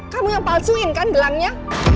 kamu yang palsuin kan gelangnya